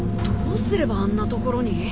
どうすればあんなところに？